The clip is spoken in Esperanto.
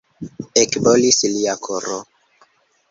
Ekbolis lia koro.